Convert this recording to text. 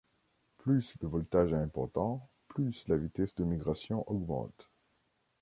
Plus le voltage est important, plus la vitesse de migration augmente.